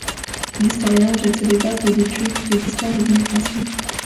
L'historien jette les bases de l'étude de l'histoire de l'immigration.